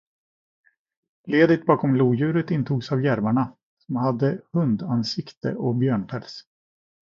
Ledet bakom lodjuren intogs av järvarna, som hade hundansikte och björnpäls.